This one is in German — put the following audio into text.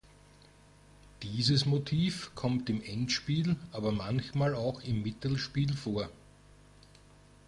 Dieses Motiv kommt im Endspiel, aber manchmal auch im Mittelspiel vor.